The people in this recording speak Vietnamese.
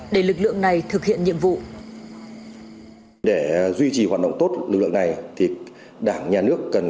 để lực lượng này thực hiện nhiệm vụ để duy trì hoạt động tốt lực lượng này thì đảng nhà nước cần